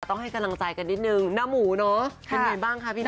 ต้องให้กำลังใจกันนิดนึงน้าหมูเนอะเป็นไงบ้างคะพี่น